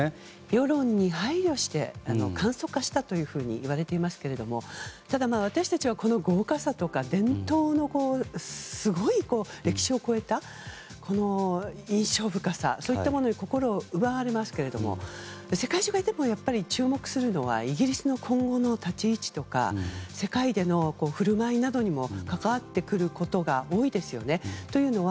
世論に配慮して簡素化したといわれていますけれどもただ、私たちはこの豪華さとか伝統のすごい歴史を超えた印象深さそういったものに心を奪われますが世界中がやっぱり注目するのはイギリスの今後の立ち位置とか世界での振る舞いなどにも関わってくることが多いですよね。